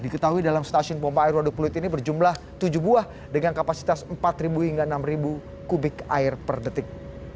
diketahui dalam stasiun pompa air waduk pluit ini berjumlah tujuh buah dengan kapasitas empat hingga enam kubik air per detik